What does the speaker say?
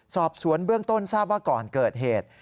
สอบสวนเบื้องต้นทราบว่าก่อนเกิดเหตุ